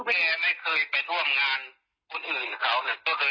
ต้องไปสอบเลยตายเหนื่อยตายโอ้ยเออใช่ใช่